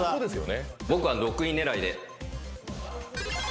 僕は６位狙いで。